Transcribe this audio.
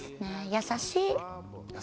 優しい。